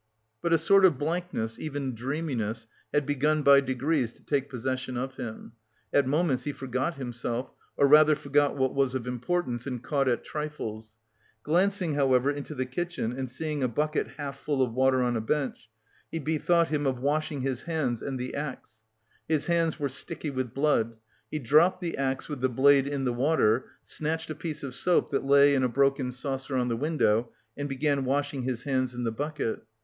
But a sort of blankness, even dreaminess, had begun by degrees to take possession of him; at moments he forgot himself, or rather, forgot what was of importance, and caught at trifles. Glancing, however, into the kitchen and seeing a bucket half full of water on a bench, he bethought him of washing his hands and the axe. His hands were sticky with blood. He dropped the axe with the blade in the water, snatched a piece of soap that lay in a broken saucer on the window, and began washing his hands in the bucket.